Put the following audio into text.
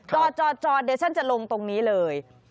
จอดเดี๋ยวฉันจะลงตรงนี้เลย